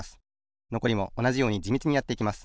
のこりもおなじようにじみちにやっていきます。